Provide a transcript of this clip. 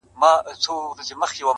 نن د پنجابي او منظور جان حماسه ولیکه!